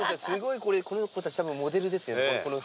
この子たちたぶんモデルですよ。